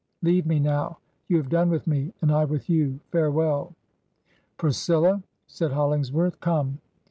Leave me now. You have done with me, and I with you. Farewell I' ' Priscilla,' said Hollingsworth, 'come.'